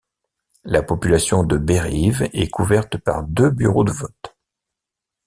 La population de Bérive est couverte par deux bureaux de vote.